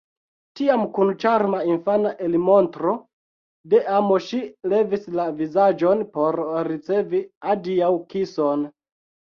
Tiam kun ĉarma infana elmontro de amo ŝi levis la vizaĝon por ricevi adiaŭkison.